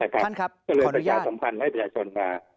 ก็เลยไปข่าวสำคัญให้ประชาชนมา